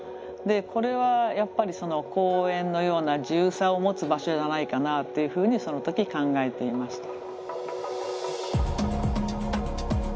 これはやっぱり公園のような自由さを持つ場所じゃないかなというふうにその時考えていました。